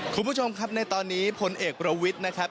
คุณผู้ชมครับในตอนนี้พลเอกประวิทย์นะครับ